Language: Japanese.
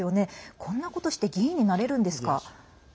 こんなことして議員になれるんですか？